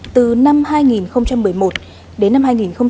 từ năm hai nghìn một mươi một đến năm hai nghìn một mươi bảy